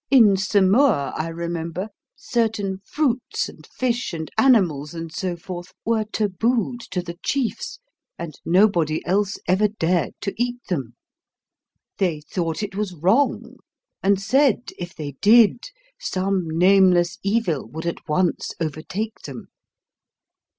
In Samoa, I remember, certain fruits and fish and animals and so forth were tabooed to the chiefs, and nobody else ever dared to eat them. They thought it was wrong, and said, if they did, some nameless evil would at once overtake them.